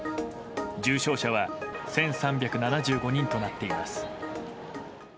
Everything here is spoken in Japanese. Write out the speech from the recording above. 重症者は１３７５人となっています。